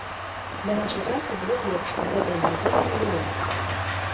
Для нашай працы было б лепш, каб гэтых бар'ераў не было.